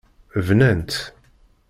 Bnan-tt.